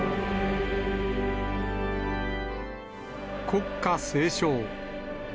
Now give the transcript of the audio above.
国歌斉唱。